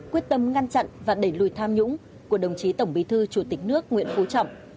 quyết tâm ngăn chặn và đẩy lùi tham nhũng của đồng chí tổng bí thư chủ tịch nước nguyễn phú trọng